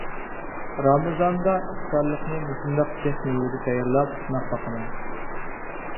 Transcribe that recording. رامىزاندا ئىپتارلىقنى مۇشۇنداق جىق مېۋىدە تەييارلاپ سىناپ باقىمەن.